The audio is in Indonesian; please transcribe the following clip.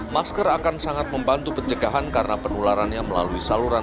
masker akan sangat membantu pencegahan karena penularannya melalui saluran